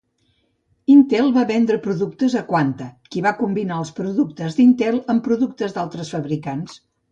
Intel va vendre productes a Quanta, qui va combinar els productes d"Intel amb productes d"altres fabricants.